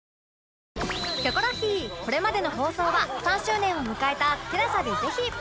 『キョコロヒー』これまでの放送は３周年を迎えた ＴＥＬＡＳＡ でぜひ！